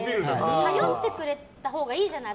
頼ってくれたほうがいいじゃない。